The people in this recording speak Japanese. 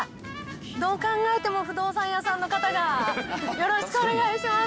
どう考えても不動産屋さんの方が、よろしくお願いします。